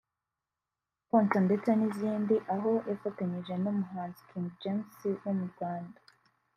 Konsa ndetse n’ izindi aho yafatanyije n’ umuhanzi King James wo mu Rwanda